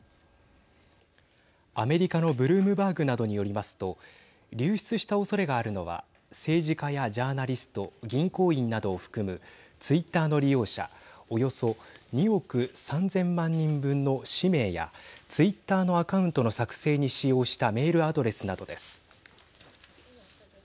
アメリカのブルームバーグなどによりますと流出したおそれがあるのは政治家やジャーナリスト銀行員などを含むツイッターの利用者およそ２億３０００万人分の氏名やツイッターのアカウントの作成に使用したメールアドレスなどです。